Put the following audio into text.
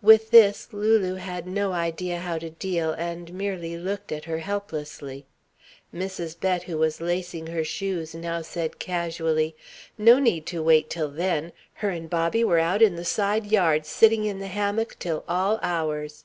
With this Lulu had no idea how to deal, and merely looked at her helplessly. Mrs. Bett, who was lacing her shoes, now said casually: "No need to wait till then. Her and Bobby were out in the side yard sitting in the hammock till all hours."